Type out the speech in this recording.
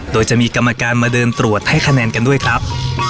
โดยจะมีกรรมการมาเดินตรวจให้คะแนนกันด้วยครับ